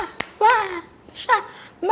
selamat menikmati pencapaian hamba